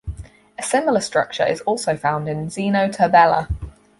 A similar structure is also found in "Xenoturbella".